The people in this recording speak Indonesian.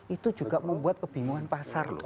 itu juga membuat kebingungan pasar loh